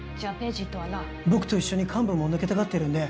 僕と一緒に幹部も抜けたがってるんで